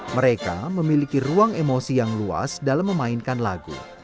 mereka memiliki ruang emosi yang luas dalam memainkan lagu